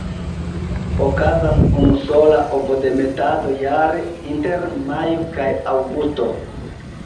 Okazas unusola ovodemetado jare, inter majo kaj aŭgusto.